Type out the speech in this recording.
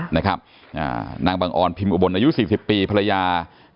นางบังออนพิมพ์อุบลอายุ๔๐ปีภรรยา